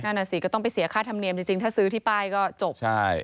นั่นน่ะสิก็ต้องไปเสียค่าธรรมเนียมจริงถ้าซื้อที่ป้ายก็จบใช่